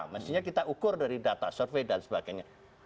mestinya kita ukur dari data survei dan sebagainya